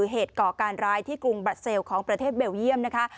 ก่อการร้ายที่กรุงบราเซลของประเทศเบลเยี่ยมนะคะ